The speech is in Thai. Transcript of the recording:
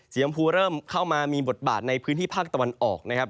ยำพูเริ่มเข้ามามีบทบาทในพื้นที่ภาคตะวันออกนะครับ